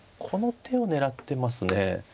この手を狙ってます。